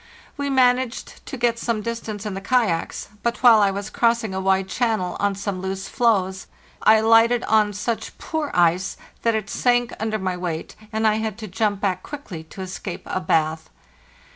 We managed to get some distance in the kayaks; but while I was cross ing a wide channel on some loose floes I alighted on such poor ice that it sank under my weight, and I had to jump back quickly to escape a bath.